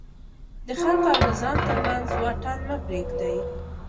د خلکو او نظام ترمنځ واټن مه پرېږدئ.